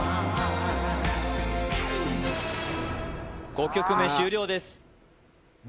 ５曲目終了です